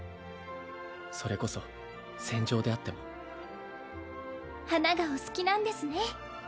それこそ戦場であっても花がお好きなんですね